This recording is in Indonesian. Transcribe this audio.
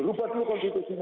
lupa dulu konstitusinya